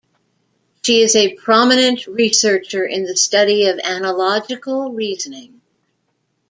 She is a prominent researcher in the study of analogical reasoning.